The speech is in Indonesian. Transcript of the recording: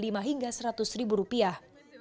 dijual mulai lima hingga seratus ribu rupiah